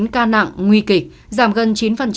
năm trăm tám mươi chín ca nặng nguy kịch giảm gần chín